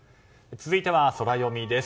続いてはソラよみです。